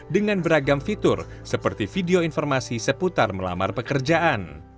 dengan beragam fitur seperti video informasi seputar melamar pekerjaan